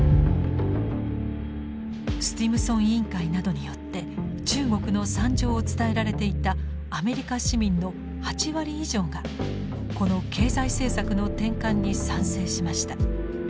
スティムソン委員会などによって中国の惨状を伝えられていたアメリカ市民の８割以上がこの経済政策の転換に賛成しました。